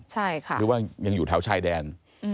หรือว่ายังอยู่แถวช่ายแดน